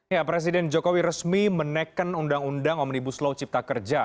ya presiden jokowi resmi menekan undang undang omnibus law cipta kerja